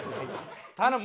頼む！